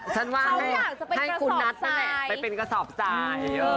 ฉันว่าให้คุณนัทไปเป็นกระสอบทราย